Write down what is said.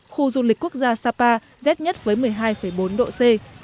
khu du lịch quốc gia sapa rét nhất với một mươi hai bốn độ c